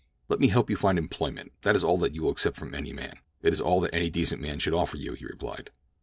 "Let me help you find employment—that is all that you may accept from any man. It is all that any decent man should offer you," he replied.